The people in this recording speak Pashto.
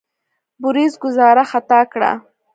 بوریس ګوزاره خطا کړه.